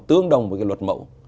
tương đồng với cái luật mẫu